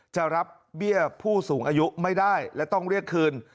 จะรับเบี้ยผู้สูงอายุไม่ได้และต้องเรียกคืน